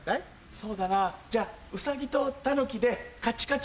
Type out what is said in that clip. そうだなぁじゃあウサギとタヌキで。